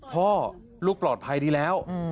พ่อลูกปลอดภัยดีแล้ว